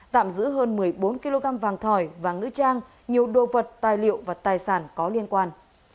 tạm giữ hơn một mươi bốn kg vàng thỏi vàng nữ trang nhiều đồ vật tài liệu và tài sản có liên quan